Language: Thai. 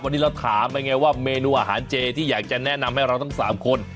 วันนี้เราถามไปไงว่าเมนูอาหารเจที่อยากจะแนะนำให้เราทั้ง๓คน